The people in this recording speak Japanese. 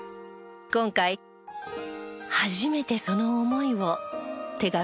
今回初めてその思いを手紙にしました。